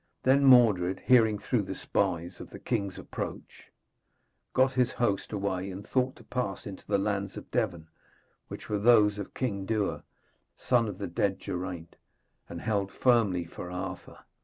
Then Mordred, hearing through the spies of the king's approach, got his host away and thought to pass into the lands of Devon, which were those of King Dewer, son of the dead Geraint, and held firmly for Arthur.